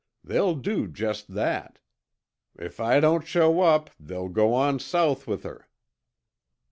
They'll do just that! If I don't show up, they'll go on south with her."